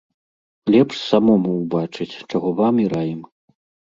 Лепш самому ўбачыць, чаго вам і раім.